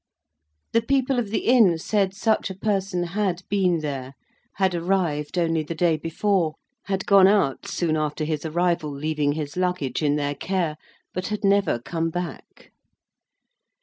The people of the inn said such a person had been there; had arrived only the day before; had gone out soon after his arrival, leaving his luggage in their care; but had never come back.